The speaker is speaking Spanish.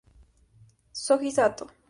Shōji Sato